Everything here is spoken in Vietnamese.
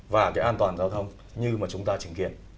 và cái an toàn giao thông như mà chúng ta chứng kiến